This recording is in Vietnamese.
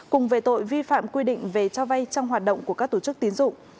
cùng về tội vi phạm quy định về trao vay trong hoạt động của các tổ chức tín dụng